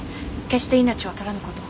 決して命は取らぬこと。